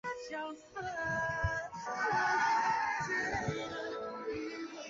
牡丹虾海胆